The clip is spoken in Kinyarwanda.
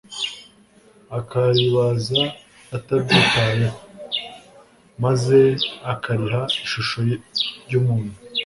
akaribaza atabyitayeho, maze akariha ishusho ry'umuntu